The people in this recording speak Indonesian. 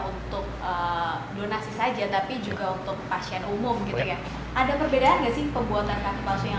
untuk donasi saja tapi juga untuk pasien umum ada perbedaan gaji pembuatan kaki palsu yang